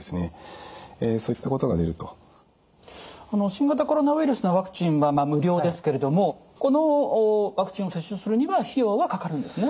新型コロナウイルスのワクチンは無料ですけれどもこのワクチンを接種するには費用はかかるんですね？